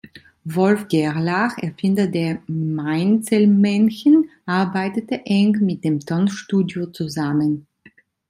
Wolf Gerlach, Erfinder der Mainzelmännchen, arbeitete eng mit dem Tonstudio zusammen.